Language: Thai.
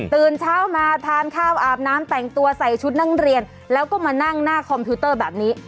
ตื่นเช้ามาทานข้าวอาบน้ำแต่งตัวใส่ชุดนักเรียนแล้วก็มานั่งหน้าคอมพิวเตอร์แบบนี้